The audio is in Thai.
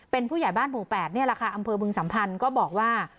เป็นผู้ใหญ่บ้านหมู่๘นี่แหละค่ะอำเภอบึงสัมพันธ์ก็บอกว่า